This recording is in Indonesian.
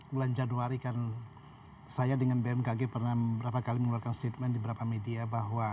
bulan januari kan saya dengan bmkg pernah beberapa kali mengeluarkan statement di beberapa media bahwa